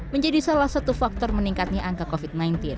menjadi salah satu faktor meningkatnya angka covid sembilan belas